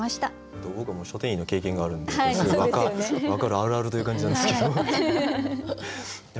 僕も書店員の経験があるんでこれすごい分かるあるあるという感じなんですけど。